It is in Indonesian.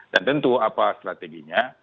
dan tentu apa strateginya